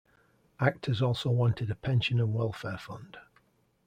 Actors also wanted a pension and welfare fund.